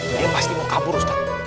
dia pasti mau kabur ustadz